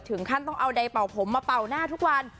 ถึงขั้นต้องเอาใดเป่าผมมาเป่าหน้าทุกวัน